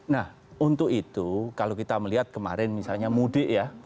nah untuk itu kalau kita melihat kemarin misalnya mudik ya